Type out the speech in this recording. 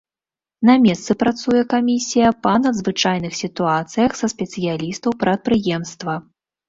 На месцы працуе камісія па надзвычайных сітуацыях са спецыялістаў прадпрыемства.